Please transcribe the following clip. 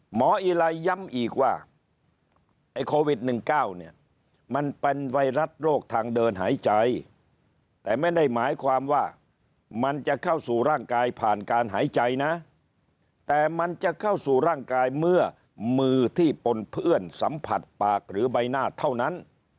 อีไลย้ำอีกว่าไอ้โควิด๑๙เนี่ยมันเป็นไวรัสโรคทางเดินหายใจแต่ไม่ได้หมายความว่ามันจะเข้าสู่ร่างกายผ่านการหายใจนะแต่มันจะเข้าสู่ร่างกายเมื่อมือที่ปนเพื่อนสัมผัสปากหรือใบหน้าเท่านั้น